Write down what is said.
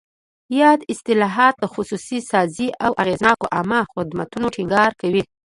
یاد اصلاحات د خصوصي سازۍ او اغېزناکو عامه خدمتونو ټینګار کوي.